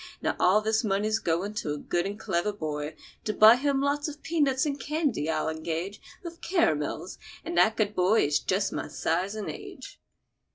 Now all this money's goin' to a good and clever boy, to buy him lots of pea nuts and candy, I'll engage—with caramels; and that good boy is just my size and age."